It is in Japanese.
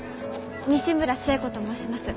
西村寿恵子と申します。